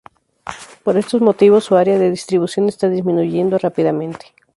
Por estos motivos su área de distribución está disminuyendo rápidamente.